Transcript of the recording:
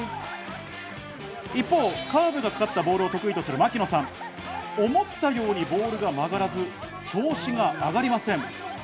一方、カーブがかかったボールを得意とする槙野さん、思ったようにボールが曲がらず、調子が上がりません。